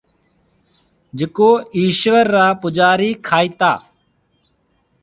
جڪو ايشوَر را پُوجاري کائيتا۔